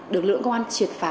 được lượng công an triệt phá